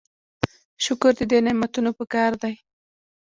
شکر د دې نعمتونو پکار دی.